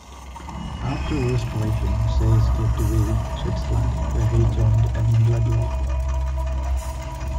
After the Restoration, Say escaped to Vevey, Switzerland, where he joined Edmund Ludlow.